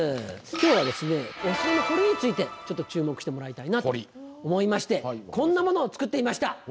今日はですねお城の堀についてちょっと注目してもらいたいなと思いましてこんなものを作ってみました。